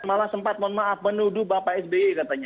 malah sempat mohon maaf menuduh bapak sby katanya